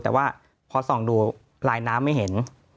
แต่ว่าพอส่องดูลายน้ำไม่เห็น